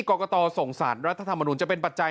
กอกกะตอส่งสาธรรทธรรมนุษย์จะเป็นปัจจัย